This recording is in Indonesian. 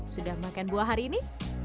sudah makan buah hari ini